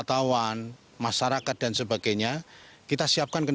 kita sentiasa harus ilmu penerbangan dari siap siap teknologi